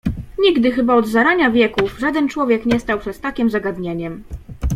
"Nigdy chyba, od zarania wieków, żaden człowiek nie stał przed takiem zagadnieniem."